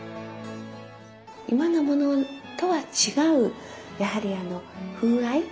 今のものとは違うやはり風合い。